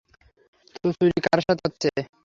তো চুরি কার সাথে হচ্ছে?